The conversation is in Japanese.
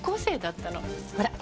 ほら。